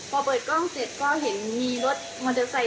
พอเปิดกล้องเสร็จก็เห็นมีรถมอเตอร์ไซค